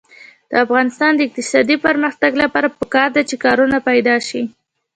د افغانستان د اقتصادي پرمختګ لپاره پکار ده چې کارونه پیدا شي.